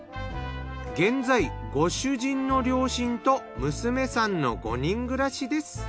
現在ご主人の両親と娘さんの５人暮らしです。